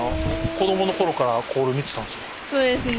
子供のころからここで見てたんですか？